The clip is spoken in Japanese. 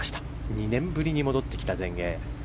２年ぶりに戻ってきた全英。